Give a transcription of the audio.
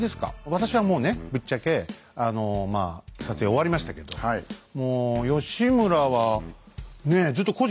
私はもうねぶっちゃけ撮影終わりましたけどもう義村はねずっと耕史君ずっといるもんね。